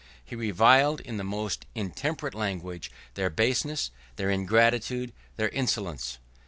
He reviled, in the most intemperate language, their baseness, their ingratitude, their insolence.